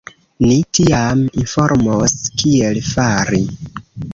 Ni tiam informos kiel fari.